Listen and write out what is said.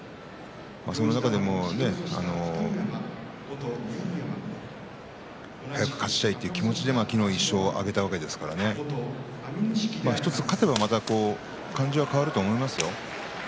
その中でも早く勝ちたいという気持ちで昨日１勝を挙げたわけですから１つ勝てばまた感じは変わると思いますよ。